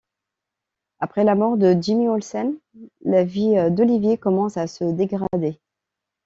Après la mort de Jimmy Olsen, la vie d'Oliver commence à se dégrader.